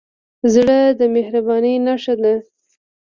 زړه د مهربانۍ نښه ده.